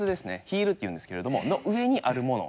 ヒールっていうんですけれどもの上にあるもの。